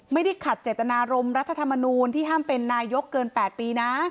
ไม่ได้ขัดเจตนารมรัฐธรรมนูลที่ห้ามเป็นนายกเกิน๘ปีนะ